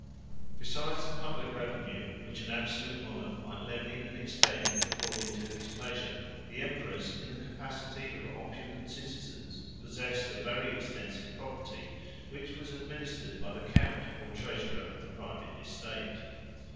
152 5. Besides the public revenue, which an absolute monarch might levy and expend according to his pleasure, the emperors, in the capacity of opulent citizens, possessed a very extensive property, which was administered by the count or treasurer of the private estate.